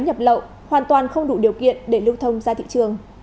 nhập lậu hoàn toàn không đủ điều kiện để lưu thông ra thị trường